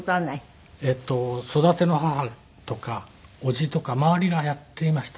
育ての母とかおじとか周りがやっていました。